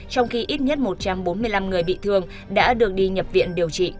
trong khi ít nhất một trăm bốn mươi năm người bị thương đã được đi nhập viện điều trị